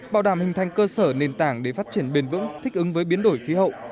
bảo đảm hình thành cơ sở nền tảng để phát triển bền vững thích ứng với biến đổi khí hậu